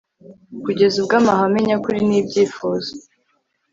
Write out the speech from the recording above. kugeza ubwo amahame nyakuri nibyifuzo